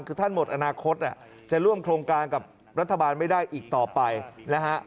คือท่านหมดอนาคตจะร่วมโครงการกับรัฐบาลไม่ได้อีกต่อไปนะฮะ